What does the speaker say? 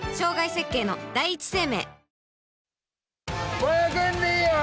５００円でいいよ！